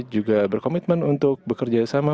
juga berkomitmen untuk bekerja sama